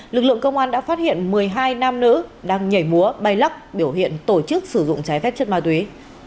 lực lượng công an đã phát hiện một mươi hai nam nữ đang nhảy múa bay lắc biểu hiện tổ chức sử dụng trái phép chất ma túy